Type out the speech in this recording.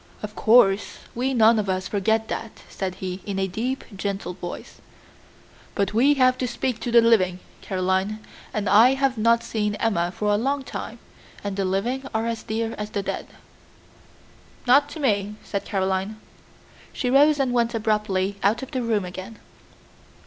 "Of course, we none of us forget that," said he, in a deep, gentle voice; "but we have to speak to the living, Caroline, and I have not seen Emma for a long time, and the living are as dear as the dead." "Not to me," said Caroline. She rose and went abruptly out of the room again.